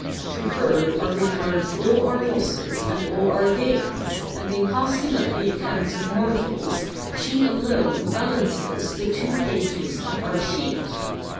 To her are referred all our losses and all our gains, and in casting up the accounts of mortals she alone balances the two pages of our sheet.